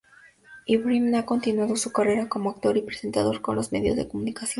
Ibrahim ha continuado su carrera como actor y presentador en los medios de comunicación.